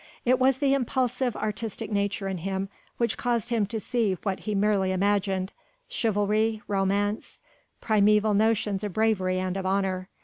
It was the impulsive, artistic nature in him which caused him to see what he merely imagined chivalry, romance, primeval notions of bravery and of honour.